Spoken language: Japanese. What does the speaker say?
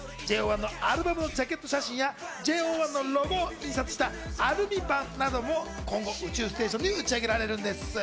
ＪＯ１のアルバムのジャケット写真やＪＯ１のロゴを印刷したアルミ板なども今後、宇宙ステーションに打ち上げられます。